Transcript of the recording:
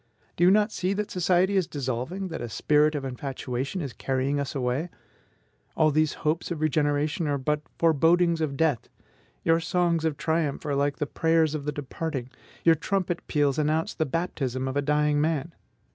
Do you not see that society is dissolving, that a spirit of infatuation is carrying us away? All these hopes of regeneration are but forebodings of death; your songs of triumph are like the prayers of the departing, your trumpet peals announce the baptism of a dying man.